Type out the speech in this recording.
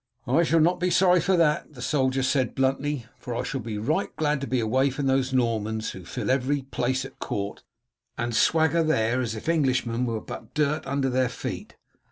"I shall not be sorry for that," the soldier said bluntly, "for I shall be right glad to be away from these Normans who fill every place at court and swagger there as if Englishmen were but dirt under their feet.